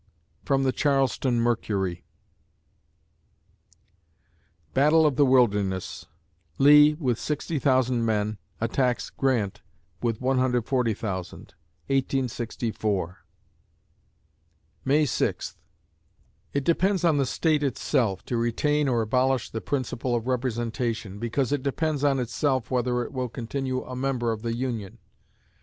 From the Charleston Mercury Battle of the Wilderness; Lee, with 60,000 men, attacks Grant with 140,000, 1864 May Sixth It depends on the State itself, to retain or abolish the principle of representation, because it depends on itself whether it will continue a member of the Union.